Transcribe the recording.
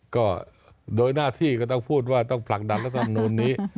ก็โดยหน้าที่ก็ต้องพูดว่าต้องผลักดันรัฐมนูลนี้